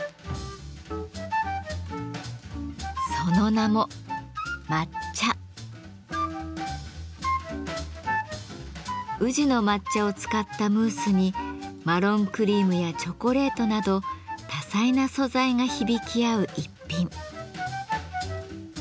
その名も宇治の抹茶を使ったムースにマロンクリームやチョコレートなど多彩な素材が響き合う逸品。